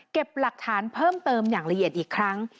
หลักฐานเพิ่มเติมอย่างละเอียดอีกครั้ง